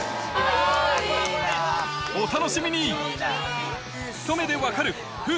お楽しみに！